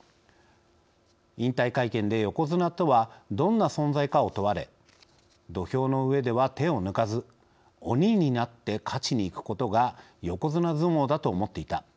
引退会見で横綱とはどんな存在かを問われ「土俵の上では手を抜かず鬼になって勝ちにいくことが横綱相撲だと思っていた。